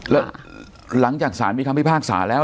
แล้วหลังจากสารมีคำพิพากษาแล้ว